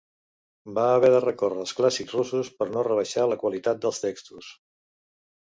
Va haver de recórrer als clàssics russos per no rebaixar la qualitat dels textos.